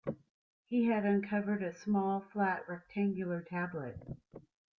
He had uncovered a small, flat, rectangular tablet.